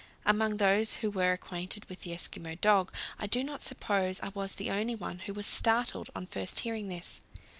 Among those who were acquainted with the Eskimo dog, I do not suppose I was the only one who was startled on first hearing this.